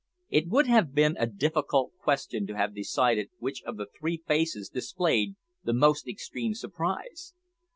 It would have been a difficult question to have decided which of the three faces displayed the most extreme surprise.